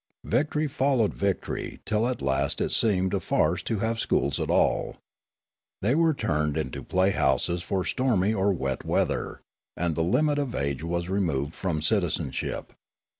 Victory followed victory till at last it seemed a farce to have schools at all. They were turned into playhouses for stormy or wet weather, and the limit of age was removed from citizenship.